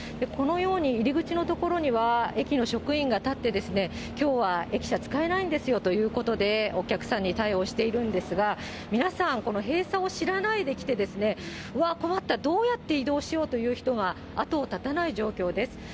このように入り口の所には、駅の職員が立って、きょうは駅舎使えないんですよということで、お客さんに対応しているんですが、皆さんこの閉鎖を知らないで来て、うわっ、困った、どうやって移動しようという人が、後を絶たない状況です。